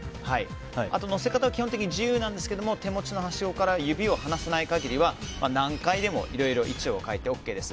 あと載せ方は基本的に自由ですが手持ちのはしごから指を離さない限りは何回でも位置を変えてＯＫです。